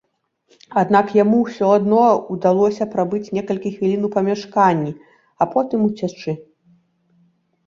Аднак яму ўсё адно ўдалося прабыць некалькі хвілін у памяшканні, а потым уцячы.